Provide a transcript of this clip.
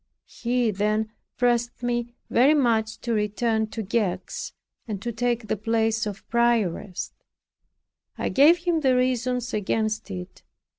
He then pressed me very much to return to Gex and to take the place of Prioress. I gave him the reasons against it.